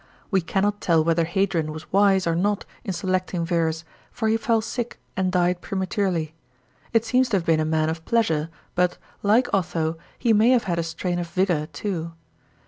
We cannot tell whether Hadrian was wise or not in selecting Verus, for he fell sick and died prematurely. He seems to have been a man of pleasure, but, like Otho, he may have had a strain of vigour too.